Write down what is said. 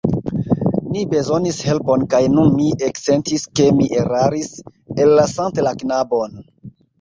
Ni bezonis helpon, kaj nun mi eksentis, ke mi eraris, ellasante la knabon.